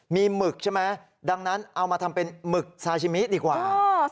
มีหมึกใช่ไหมดังนั้นเอามาทำเป็นหมึกซาชิมิดีกว่า